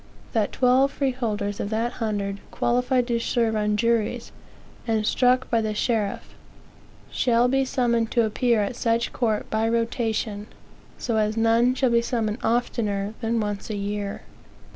That twelve freeholders of that hundred, qualified to serve on juries, and struck by the sheriff, shall be summoned to appear at such court by rotation; so as none shall be summoned oftener than once a year.